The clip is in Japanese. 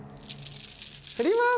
振ります！